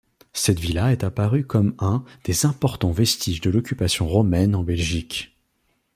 Cette villa est apparue comme un des importants vestiges de l'occupation romaine en Belgique.